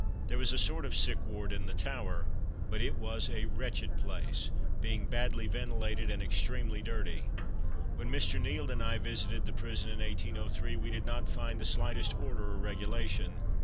There was a sort of sick ward in the Tower, but it was a wretched place, being badly ventilated and extremely dirty. When Mr. Nield and I visited the prison in 1803, we did not find the slightest order or regulation.